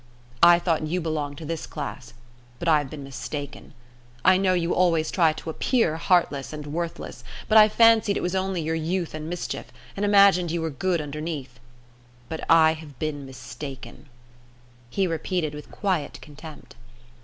I thought you belonged to this class, but I have been mistaken. I know you always try to appear heartless and worthless, but I fancied it was only your youth and mischief, and imagined you were good underneath; but I have been mistaken," he repeated with quiet contempt.